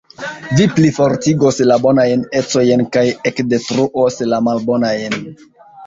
Vi plifortigos la bonajn ecojn kaj ekdetruos la malbonajn.